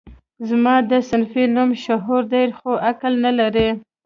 زما ده صنفي نوم شعور دی خو عقل نه لري